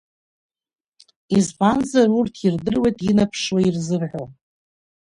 Избанзар, урҭ ирдыруеит инаԥшуа ирзырҳәо.